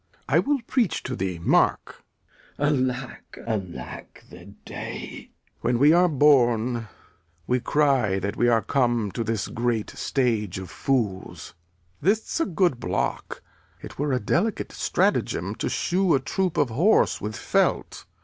I will preach to thee. Mark. Glou. Alack, alack the day! Lear. When we are born, we cry that we are come To this great stage of fools. This' a good block. It were a delicate stratagem to shoe A troop of horse with felt.